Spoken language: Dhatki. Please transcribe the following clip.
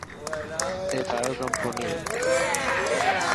اي تايون ڪم ڪوني هي.